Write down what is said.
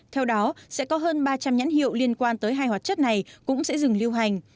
theo đó sẽ có hơn ba trăm linh nhãn hiệu liên quan tới hai hoạt chất này cũng sẽ dừng lưu hành